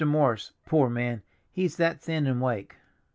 Morris, poor man, he's that thin and wake.